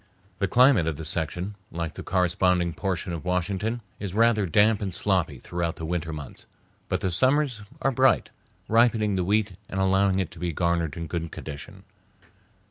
The climate of this section, like the corresponding portion of Washington, is rather damp and sloppy throughout the winter months, but the summers are bright, ripening the wheat and allowing it to be garnered in good condition.